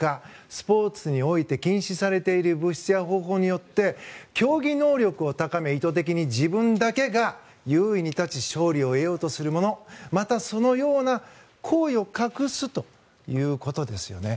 スポーツにおいて禁止されている物質や方法によって競技能力を高め意図的に自分だけが優位に立ち勝利を得ようとするものまた、そのような行為を隠すということですよね。